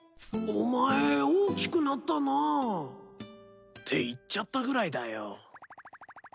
お前大きくなったなって言っちゃったぐらいだよ。